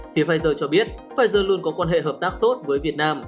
thì pfizer cho biết pfizer luôn có quan hệ hợp tác tốt với việt nam